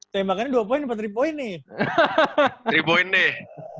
tembakannya dua point atau tiga point nih